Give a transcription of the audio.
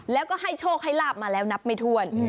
แล้วก็ให้โชคให้ลาบมาแล้วนับไม่ถ้วน